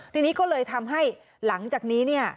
ทีนี้ก็เลยทำให้หลังจากนี้เนี่ย